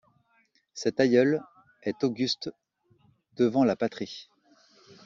Cet aïeul est auguste devant la patrie.